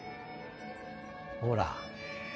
ほら。